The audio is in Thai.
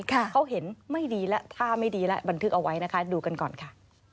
เขาเห็นไม่ดีแล้วท่าไม่ดีแล้วบันทึกเอาไว้นะคะดูกันก่อนค่ะ